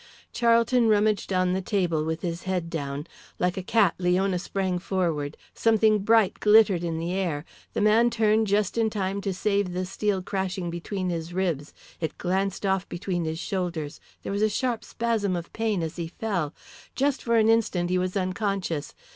Charlton rummaged on a table with his head down. Like a cat Leona sprang forward. Something bright glittered in the air. The man turned just in time to save the steel crashing between his ribs, it glanced off between his shoulders, there was a sharp spasm of pain as he fell. Just for an instant he was unconscious.